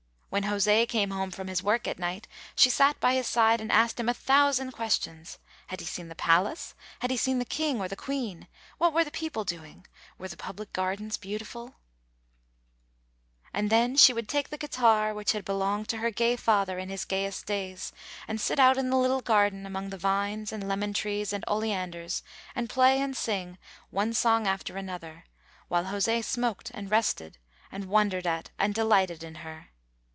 When José came home from his work at night, she sat by his side and asked him a thousand questions. Had he seen the palace had he seen the king or the queen what were the people doing were the public gardens beautiful? [Illustration: And then she would take the guitar 010] And then she would take the guitar, which had belonged to her gay father in his gayest days, and sit out in the little garden, among the vines and lemon trees and oleanders, and play and sing one song after another, while José smoked and rested, and wondered at and delighted in her.